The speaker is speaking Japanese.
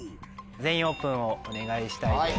「全員オープン」をお願いしたいです。